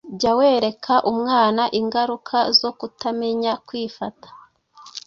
jya wereka umwana ingaruka zo kutamenya kwifata